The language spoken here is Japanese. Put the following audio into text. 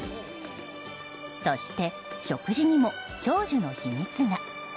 そして、食事にも長寿の秘密が。